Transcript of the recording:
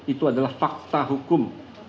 itu adalah fakta hukum